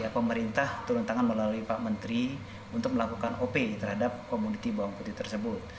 pemerintah turun tangan melalui pak menteri untuk melakukan op terhadap komoditi bawang putih tersebut